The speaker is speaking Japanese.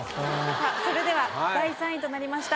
さぁそれでは第３位となりました